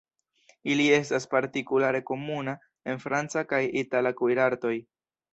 Ili estas partikulare komuna en franca kaj itala kuirartoj.